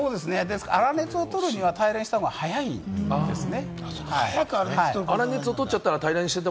粗熱を取るには平にした方が早いですね。